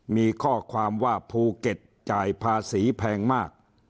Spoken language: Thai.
มีข้อความว่าภูเก็ตจ่ายภาษีแพงมาก